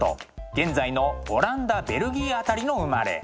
現在のオランダベルギー辺りの生まれ。